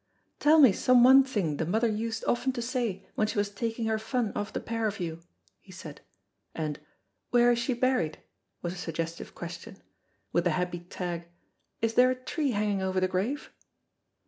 "Tell me some one thing the mother used often to say when she was taking her fun off the pair of you," he said, and "Where is she buried?" was a suggestive question, with the happy tag, "Is there a tree hanging over the grave?"